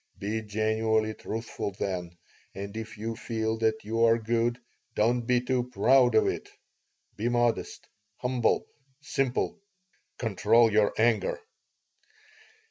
Be genuinely truthful, then. And if you feel that you are good, don't be too proud of it. Be modest, humble, simple. Control your anger."